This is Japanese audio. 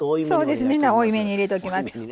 そうですね多いめに入れときます。